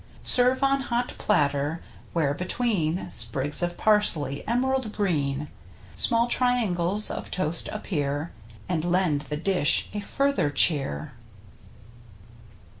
Serve on hot platter, where between Sprigs of parsley, emerald green. Small triangles of toast appear And lend the dish a further cheer.